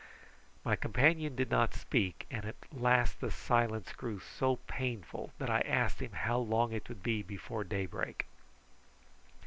My companion did not speak, and at last the silence grew so painful that I asked him how long it would be before daybreak.